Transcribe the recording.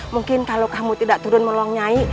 mungkin kalau kamu tidak turun melong nyai